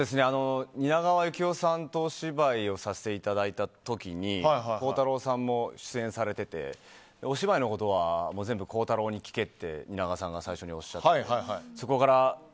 蜷川幸雄さんとお芝居をさせていただいた時に鋼太郎さんも出演されててお芝居のことは全部、鋼太郎に聞けと蜷川さんが最初におっしゃってそこから。